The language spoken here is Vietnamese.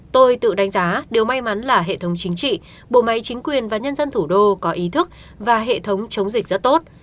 tôi tự đánh giá điều may mắn là hệ thống chính trị bộ máy chính quyền và nhân dân thủ đô có ý thức và hệ thống chống dịch rất tốt